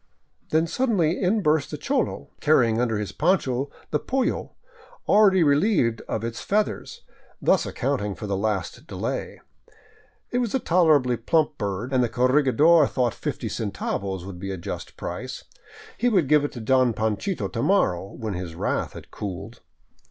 Then suddenly in burst the cholo, carrying under his poncho the polio, already relieved of its feathers, thus accounting for the last delay. It was a tolerably plump bird, and the corregidor thought fifty centavos would be a just price. He would give it to Don Panchito to morrow, when his wrath had cooled.